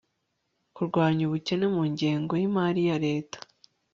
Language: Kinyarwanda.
kurwanya ubukene mu ngengo y'imari ya leta